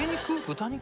豚肉？